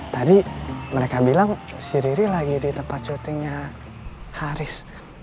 tadi mereka bilang si riri lagi di tempat syutingnya haris